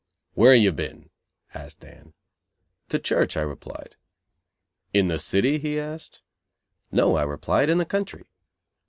"Where have you been?" asked Dan. "To church," I replied. "In the city?" he asked. "No," I replied, "in the country."